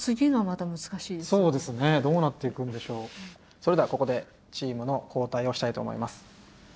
それではここでチームの交代をしたいと思います。